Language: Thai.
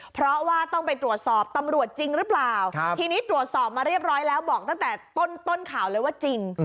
เพราะว่าต้องไปตรวจสอบตำรวจจริงหรือเปล่าทีนี้ตรวจสอบมาเรียบร้อยแล้วบอกตั้งแต่ต้นข่าวเลยว่าจริง